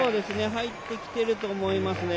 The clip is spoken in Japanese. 入ってきてると思いますね。